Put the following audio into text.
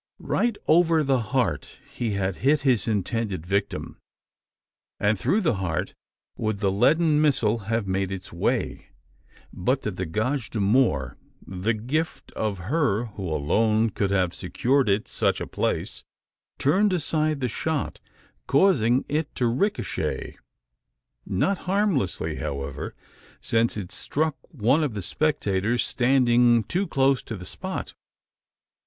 Right over the heart he had hit his intended victim, and through the heart would the leaden missile have made its way, but that a gage d'amour the gift of her who alone could have secured it such a place turned aside the shot, causing it to ricochet! Not harmlessly, however: since it struck one of the spectators standing too close to the spot.